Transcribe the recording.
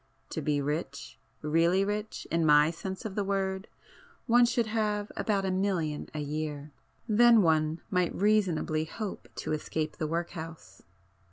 To be rich, really rich, in my sense of the word, one should have about a million a year. Then one might reasonably hope to escape the workhouse!"